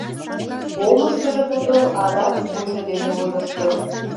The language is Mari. Омыштыжо тудо адак вуйжо дене ойлышто.